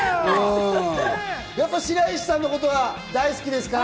やっぱ白石さんのことは大好きですか？